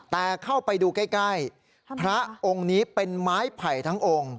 แต่เข้าไปดูใกล้พระองค์นี้เป็นไม้ไผ่ทั้งองค์